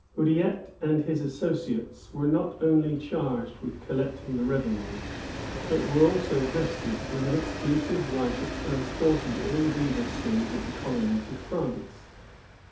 Oudiette and his associates were not only charged with collecting the revenue, but were also vested with an exclusive right of transporting all the beaver skins of the colony to France.